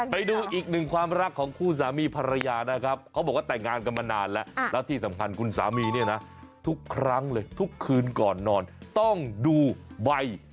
ไปดูอีกหนึ่งความรักของคู่สามีภรรยานะครับเขาบอกว่าแต่งงานกันมานานแล้ว